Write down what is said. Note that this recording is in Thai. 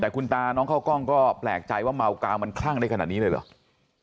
แต่คุณตาน้องเข้ากล้องก็แปลกใจว่าเมากาวมันคลั่งได้ขนาดนี้เลยเหรอ